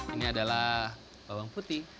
ini adalah bawang putih